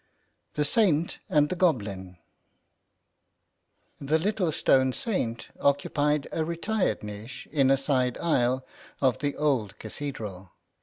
THE SAINT AND THE GOBLIN THE little stone Saint occupied a retired niche in a side aisle of the old cathedral.